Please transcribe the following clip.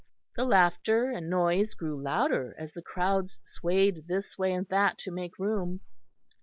The laughter and noise grew louder as the crowds swayed this way and that to make room.